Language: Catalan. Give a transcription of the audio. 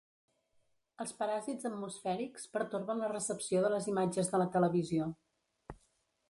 Els paràsits atmosfèrics pertorben la recepció de les imatges de la televisió.